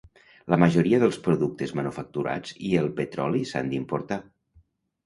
La majoria dels productes manufacturats i el petroli s'han d'importar.